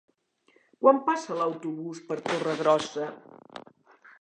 Quan passa l'autobús per Torregrossa?